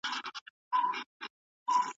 د تحفو ورکول لازمي کار نه دی.